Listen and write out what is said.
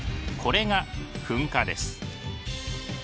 これが噴火です。